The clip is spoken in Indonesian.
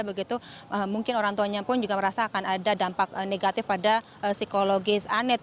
begitu mungkin orang tuanya pun juga merasa akan ada dampak negatif pada psikologis anet